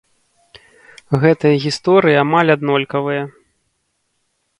Гэтыя гісторыі амаль аднолькавыя.